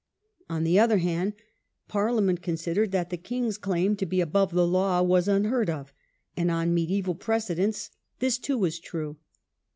On the other hand, Par liament considered that the king's claim to be above the law was unheard of, and on medieval precedents this too was true.